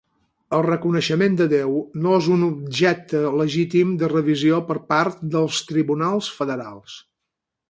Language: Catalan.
El reconeixement de Déu no és un objecte legítim de revisió per part dels tribunals federals.